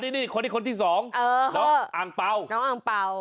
นี่คนที่สองน้องอังเป่า